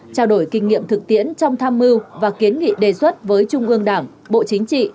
trao đổi kinh nghiệm thực tiễn trong tham mưu và kiến nghị đề xuất với trung ương đảng bộ chính trị